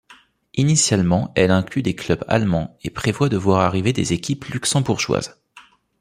Initialement, elle inclut des clubs allemands et prévoit de voir arriver des équipes luxembourgeoises.